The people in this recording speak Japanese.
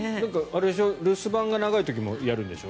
留守番が長い時もやるんでしょ？